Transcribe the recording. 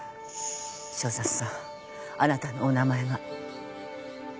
正山さんあなたのお名前が。